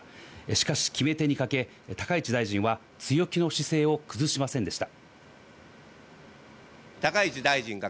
しかし、決め手に欠け、高市大臣は強気の姿勢を崩しませんでした。